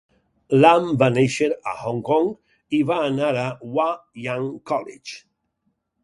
Lam va néixer a Hong Kong i va anar a Wah Yan College.